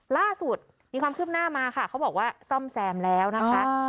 ล่าสุดมีความคืบหน้ามาค่ะเขาบอกว่าซ่อมแซมแล้วนะคะ